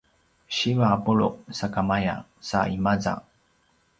siva a pulu’ sakamaya sa i maza